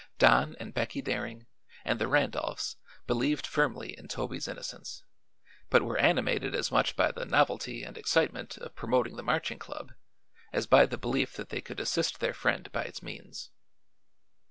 Don and Becky Daring and the Randolphs believed firmly in Toby's innocence, but were animated as much by the novelty and excitement of promoting the Marching Club as by the belief that they could assist their friend by its means.